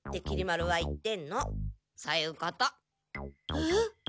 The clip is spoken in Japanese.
えっ？